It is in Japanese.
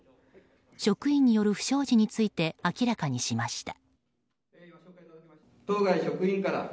職員による不祥事について明らかにしました。